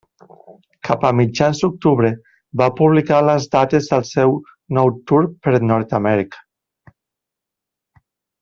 Cap a mitjans d'octubre, va publicar les dates del seu nou Tour per Nord-amèrica.